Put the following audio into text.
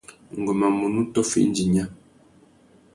Ngu má munú tôffa indi nya.